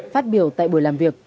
phát biểu tại buổi làm việc